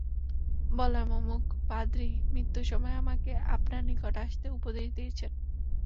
বললাম, অমুক পাদ্রী মৃত্যুর সময় আমাকে আপনার নিকট আসতে উপদেশ দিয়েছেন।